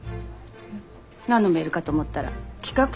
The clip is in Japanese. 何のメールかと思ったら企画書よ。